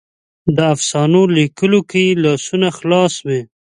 د افسانو لیکلو کې لاسونه خلاص وي.